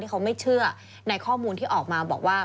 เขาไม่เชื่อในข้อมูลที่ออกมาบอกว่า